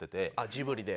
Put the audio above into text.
ジブリで。